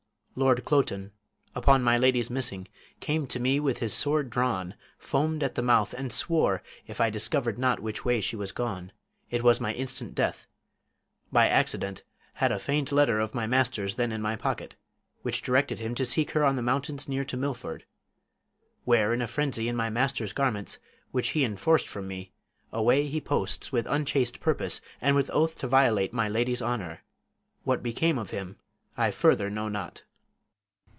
Lord Cloten, Upon my lady's missing, came to me With his sword drawn, foam'd at the mouth, and swore, If I discover'd not which way she was gone, It was my instant death. By accident I had a feigned letter of my master's Then in my pocket, which directed him To seek her on the mountains near to Milford; Where, in a frenzy, in my master's garments, Which he enforc'd from me, away he posts With unchaste purpose, and with oath to violate My lady's honour. What became of him I further know not.